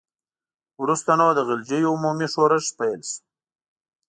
وروسته نو د غلجیو عمومي ښورښ پیل شو.